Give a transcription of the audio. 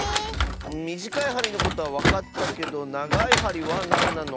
みじかいはりのことはわかったけどながいはりはなんなの？